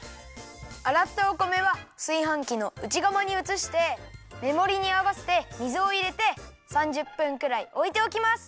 あらったお米はすいはんきのうちがまにうつしてメモリにあわせて水をいれて３０分くらいおいておきます。